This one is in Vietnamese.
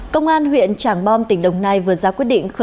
công an huyện trảng bom tỉnh đồng nai vừa ra quyết định